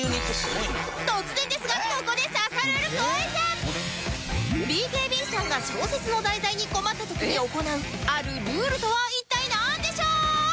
突然ですがここでＢＫＢ さんが小説の題材に困った時に行うあるルールとは一体なんでしょう？